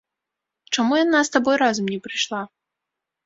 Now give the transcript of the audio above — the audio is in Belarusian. Чаму яна з табой разам не прыйшла?